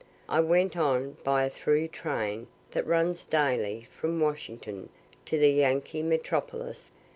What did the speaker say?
I went on by a through train that runs daily from Washington to the Yankee metropolis without change.